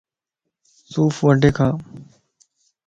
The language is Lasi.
سوڦ وڊي کا